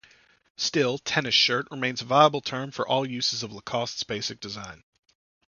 Still, "tennis shirt" remains a viable term for all uses of Lacoste's basic design.